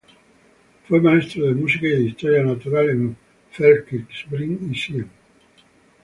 Fue maestro de música y de historia natural, en Feldkirch, Brig y Sion.